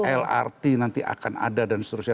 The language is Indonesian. lrt nanti akan ada dan seterusnya